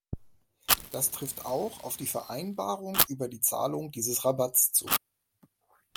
Das trifft auch auf die Vereinbarung über die Zahlung dieses Rabatts zu.